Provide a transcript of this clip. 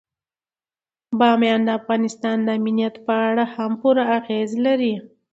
بامیان د افغانستان د امنیت په اړه هم پوره اغېز لري.